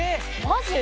マジ？